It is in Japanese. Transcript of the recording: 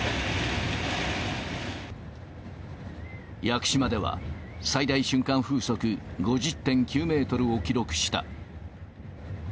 屋久島では最大瞬間風速５０．９メートルを記録した。